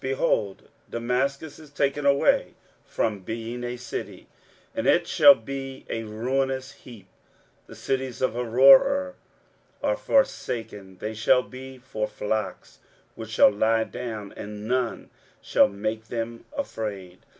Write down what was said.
Behold, Damascus is taken away from being a city, and it shall be a ruinous heap. 23:017:002 The cities of Aroer are forsaken: they shall be for flocks, which shall lie down, and none shall make them afraid.